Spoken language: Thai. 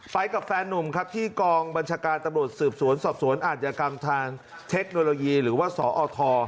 กับแฟนนุ่มครับที่กองบัญชาการตำรวจสืบสวนสอบสวนอาจยกรรมทางเทคโนโลยีหรือว่าสอท